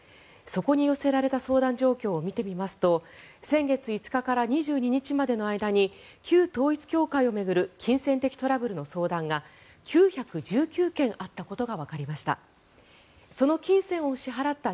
そこに寄せられた相談状況を見てみますと先月５日から２２日までの間に旧統一教会を巡る金銭的トラブルの相談が９１９件あったことがわかりました。